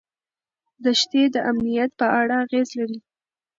دښتې د امنیت په اړه اغېز لري.